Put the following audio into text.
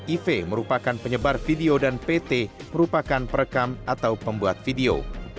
iv merupakan penyebar video dan pt merupakan perekam atau pembuat video